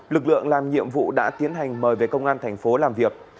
lực lượng làm nhiệm vụ đã tiến hành mời về công an thành phố làm việc